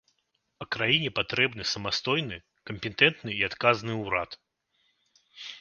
А краіне патрэбны самастойны кампетэнтны і адказны ўрад.